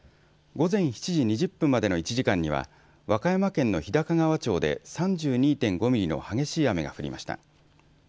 午前７時２０分までの１時間には和歌山県の日高川町で３２．５ミリの激しい雨が降りました。